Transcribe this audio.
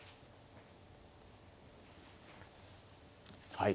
はい。